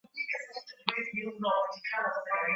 inaashiria mpango wa hatua mbalimbali za kimataifa